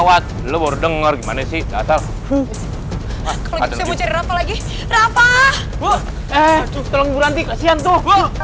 eh tolong berhenti kasian tuh